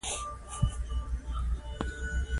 درېيم د دغو پيسو د ترلاسه کولو کره نېټه وټاکئ.